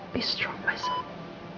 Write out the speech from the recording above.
jangan lupa ayah